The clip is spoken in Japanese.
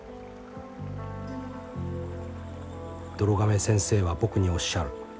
どろ亀先生は僕におっしゃる。